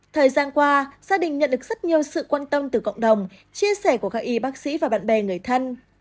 thời gian qua gia đình nhận được rất nhiều sự quan tâm từ cộng đồng chia sẻ của các y bác sĩ và bạn bè người thân